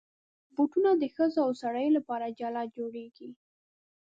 بوټونه د ښځو او سړیو لپاره جلا جوړېږي.